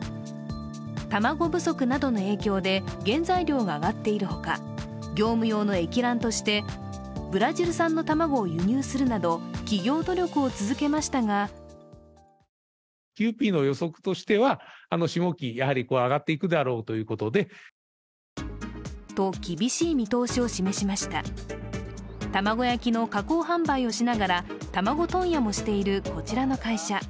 卵不足などの影響で原材料が上がっているほか業務用の液卵としてブラジル産の卵を輸入するなど企業努力を続けましたがと、厳しい見通しを示しました卵焼きの加工販売をしながら卵問屋もしているこちらの会社。